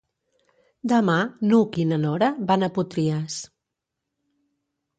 Demà n'Hug i na Nora van a Potries.